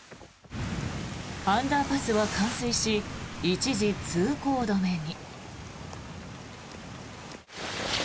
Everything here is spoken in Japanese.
アンダーパスは冠水し一時通行止めに。